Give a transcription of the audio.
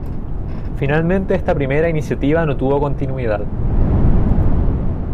Finalmente esta primera iniciativa no tuvo continuidad.